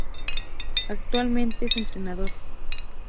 Actualmente es entrenador.